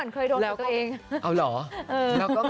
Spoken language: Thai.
คุณเหมือนเคยโดนตัวตัวเอง